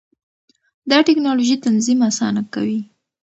دا ټېکنالوژي تنظیم اسانه کوي.